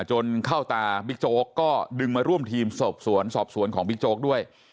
จนเข้าตาบิ๊กโจ๊กก็ดึงมาร่วมทีมสอบสวนสอบสวนของบิ๊กโจ๊กด้วย